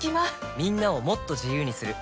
みんなをもっと自由にする「三菱冷蔵庫」